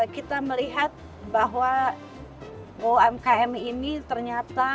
kita melihat bahwa umkm ini ternyata